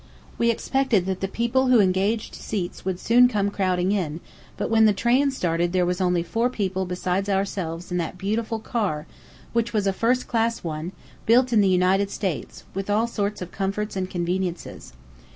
We expected that the people who engaged seats would soon come crowding in, but when the train started there was only four people besides ourselves in that beautiful car, which was a first class one, built in the United States, with all sorts of comforts and conveniences.